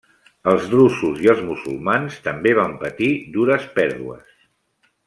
Els drusos i els musulmans també van patir dures pèrdues.